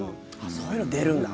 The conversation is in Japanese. そういうの出るんだ。